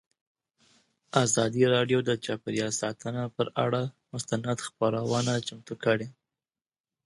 ازادي راډیو د چاپیریال ساتنه پر اړه مستند خپرونه چمتو کړې.